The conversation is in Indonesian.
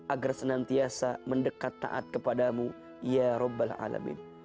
agar senantiasa mendekat taat kepada mu ya rabbil alamin